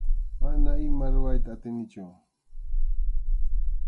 Mana ima rurayta atinichu.